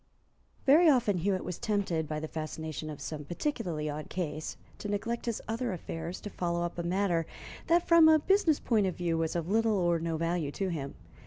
Very often Hewitt was tempted, by the fascination of some particularly odd case, to neglect his other affairs to follow up a matter that from a business point of view was of little or no value to him.